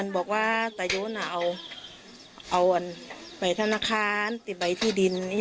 เอาไอเล็นไปธนาคารติ้บไฟที่ดินใช่มั้ย